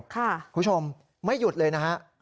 คุณผู้ชมไม่หยุดเลยนะฮะ